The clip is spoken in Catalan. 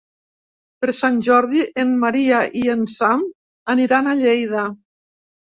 Per Sant Jordi en Maria i en Sam aniran a Lleida.